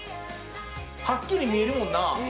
はっきり見えるもんな